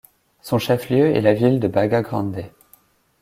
Son chef-lieu est la ville de Bagua Grande.